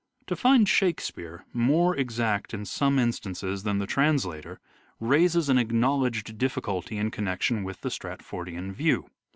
To find " Shakespeare " more exact in some instances " Shake than the translator raises an acknowledged difficulty in QvW 6 connection with the Stratfordian view.